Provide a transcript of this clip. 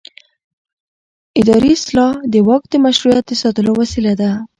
اداري اصلاح د واک د مشروعیت د ساتلو وسیله ده